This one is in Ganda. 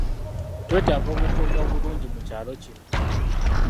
Twetaaga obukuumi obulungi mu kyalo kino.